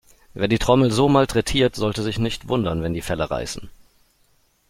Wer die Trommel so malträtiert, sollte sich nicht wundern, wenn die Felle reißen.